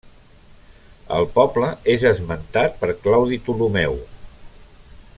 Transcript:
El poble és esmentat per Claudi Ptolemeu.